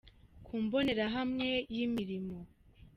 ku mbonerahamwe y’imirimo.